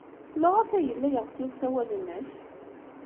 Maɣef ay yella yeɣsi usawal-nnek?